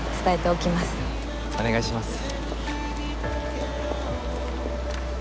お願いします。